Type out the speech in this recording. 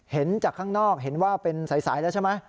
เห็นจากข้างนอกเห็นว่าเป็นสายแล้วใช่ไหม